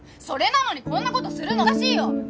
それなのにこんな事するのおかしいよ。